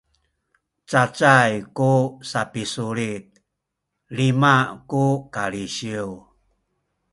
cacay ku sapisulit lima ku kalisiw